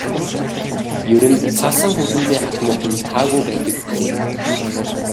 Ер нь салсан хүргэндээ хадмууд нь таагүй байдаг билээ.